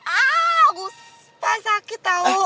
aduh gue sakit tau